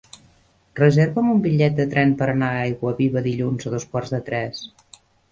Reserva'm un bitllet de tren per anar a Aiguaviva dilluns a dos quarts de tres.